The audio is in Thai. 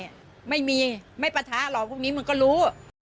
ไม่มีไม่ปะทะหรอกพวกนี้มันก็รู้